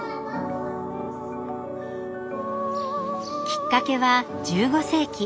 きっかけは１５世紀。